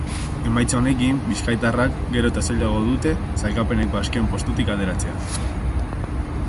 Emaitza honekin, bizkaitarrak gero eta zailago dute sailkapeneko azken postutik ateratzea.